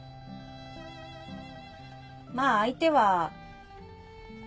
まあ相手は。